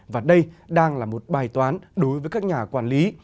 và đây đang là một bài toán đối với các nhà quản lý